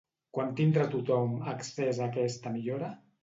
Quan tindrà tothom accés a aquesta millora?